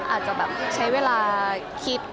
อาจจะแบบใช้เวลาคิด